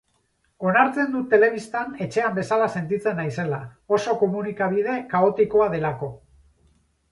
Onartzen dut telebistan etxean bezala sentitzen naizela, oso komunikabide kaotikoa delako.